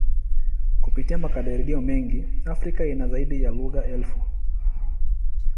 Kupitia makadirio mengi, Afrika ina zaidi ya lugha elfu.